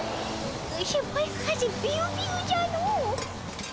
センパイ風ビュウビュウじゃの。